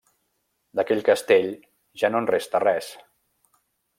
D'aquell castell ja no en resta res.